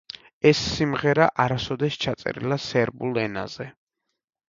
ეს სიმღერა არასოდეს ჩაწერილა სერბულ ენაზე.